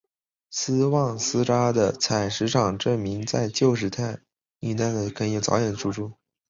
斯旺斯扎的采石场证明早在旧石器时代肯特就已有人居住。